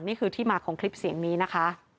นี่คือที่มาของคลิปเสียงนี้นะคะ